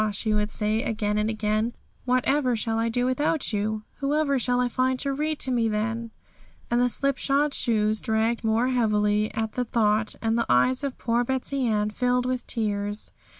she would say, again and again; 'whatever shall I do without you? Whoever shall I find to read to me then?' And the slipshod shoes dragged more heavily at the thought, and the eyes of poor Betsey Ann filled with tears.